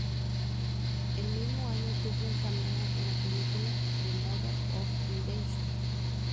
El mismo año tuvo un cameo en la película "The Mother of Invention".